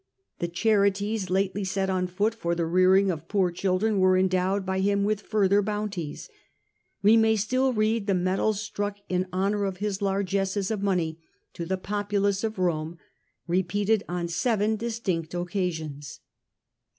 The charities lately set on foot for the rearing of poor children were endowed by him with further bounties. We may still read the medals stimck in honour of his largesses of money to the populace of Rome, repeated on seven distinct occasions.